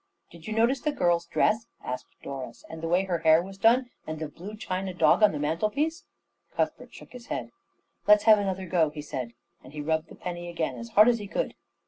"Did you notice the girl's dress?" asked Doris, "and the way her hair was done, and the blue china dog on the mantelpiece?" Cuthbert shook his head. "Let's have another go," he said, and he rubbed the penny again as hard as he could.